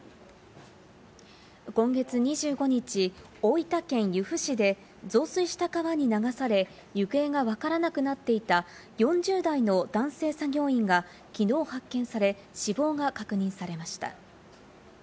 今月２５日、大分県由布市で増水した川に流され、行方がわからなくなっていた４０代の男性作業員がきのう発見され、死亡が確認されました。